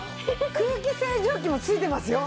空気清浄機もついてますよ？